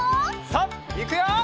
さあいくよ！